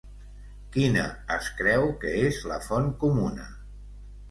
Quina es creu que és la font comuna?